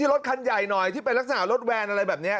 รถคันใหญ่หน่อยที่เป็นลักษณะรถแวนอะไรแบบนี้